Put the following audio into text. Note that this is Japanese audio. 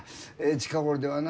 近頃ではな